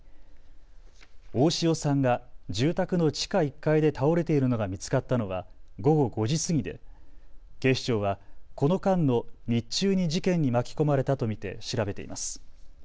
大塩さんが住宅の地下１階で倒れているのが見つかったのは午後５時過ぎで、警視庁はこの間の日中に事件に巻き込まれたと見て調べています。